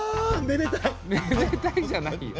「めでたい」じゃないよ。